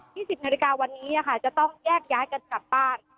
ที่สินิรกาวันนี้จะต้องแยกย้ายกันกับบ้าน